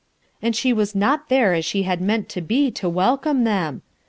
And she was not there as she had meant to be to welcome them